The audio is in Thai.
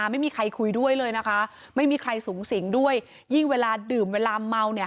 ไม่มีใครคุยด้วยเลยนะคะไม่มีใครสูงสิงด้วยยิ่งเวลาดื่มเวลาเมาเนี่ย